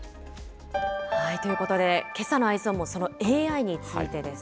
ということで、けさのＥｙｅｓｏｎも、そのＡＩについてです。